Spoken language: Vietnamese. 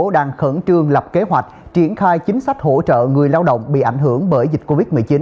đang khẩn trương lập kế hoạch triển khai chính sách hỗ trợ người lao động bị ảnh hưởng bởi dịch covid một mươi chín